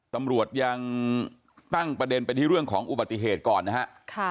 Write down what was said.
ตำรวจยังตั้งประเด็นไปที่เรื่องของอุบัติเหตุก่อนนะฮะ